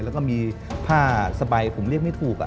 แล้วก็มีผ้าสบายผมเรียกไม่ถูก